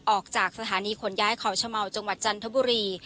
ออกจากสถานีขนย้ายเขาชะเมาจังหวัดจันทบุรี